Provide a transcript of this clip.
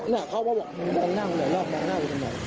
เนี่ยเขามาบอกมึงต้องนั่งเหลือต้องนั่งเหลือทั้งหมด